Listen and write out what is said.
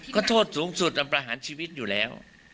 ก็โทษสูงสุดประหารชีวิตอยู่แล้ว